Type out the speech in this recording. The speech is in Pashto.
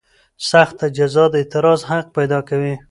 سخته جزا د اعتراض حق پیدا کوي.